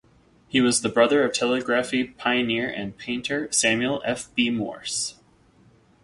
He was the brother of telegraphy pioneer and painter Samuel F. B. Morse.